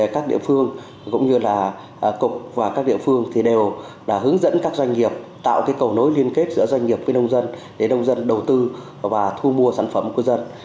các địa phương cũng như là cục và các địa phương đều hướng dẫn các doanh nghiệp tạo cầu nối liên kết giữa doanh nghiệp với nông dân để nông dân đầu tư và thu mua sản phẩm của dân